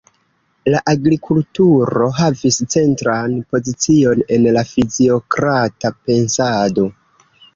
La agrikulturo havis centran pozicion en la fiziokrata pensado.